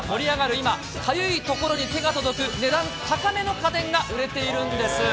今、かゆいところに手が届く値段高めな家電が売れているんです。